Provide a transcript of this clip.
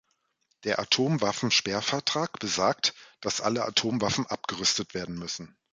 Der Atomwaffensperrvertrag besagt, dass alle Atomwaffen abgerüstet werden müssen.